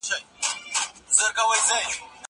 زه هره ورځ مکتب ته ځم؟!